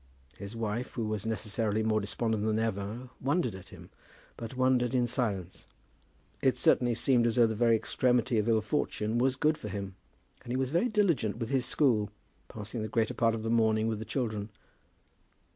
His wife, who was necessarily more despondent than ever, wondered at him, but wondered in silence. It certainly seemed as though the very extremity of ill fortune was good for him. And he was very diligent with his school, passing the greater part of the morning with the children.